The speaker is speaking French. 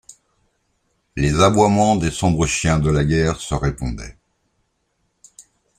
Les aboiements des sombres chiens de la guerre se répondaient.